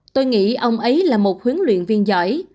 tôi nghĩ ông ấy là một huấn luyện viên giỏi